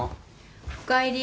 おかえり。